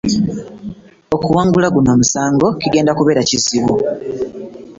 Okuwangula guno omusango kigenda kubeera kizibu.